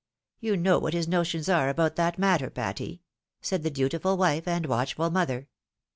You know what his notions are about that matter, Patty," said the dutiful wife and watchful mother.